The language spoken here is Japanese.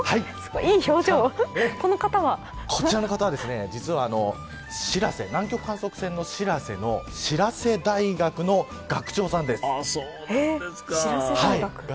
こちらの方は南極観測船しらせのしらせ大学の学長さんです。